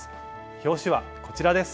表紙はこちらです。